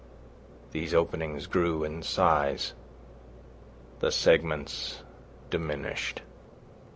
These openings grew in size, the segments diminished.